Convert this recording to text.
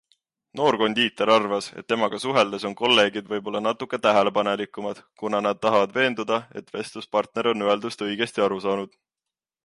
Noor kondiiter arvas, et temaga suheldes on kolleegid võibolla natuke tähelepanelikumad, kuna nad tahavad veenduda, et vestluspartner on öeldust õigesti aru saanud.